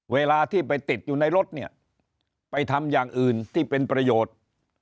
เวลาที่ไปติดอยู่ในรถเนี่ยไปทำอย่างอื่นที่เป็นประโยชน์